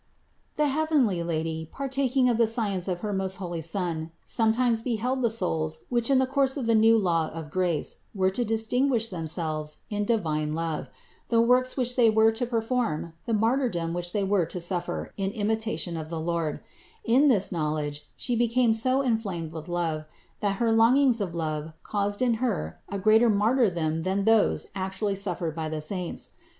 The heav enly Lady, partaking of the science of her most holy Son, sometimes beheld the souls which in the course of the new law of grace were to distinguish themselves in divine love, the works which they were to perform, the martyr dom which they were to suffer in imitation of the Lord; in this knowledge She became so inflamed with love that her longings of love caused in Her a greater martyrdom than those actually suffered by the saints.